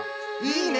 いいね！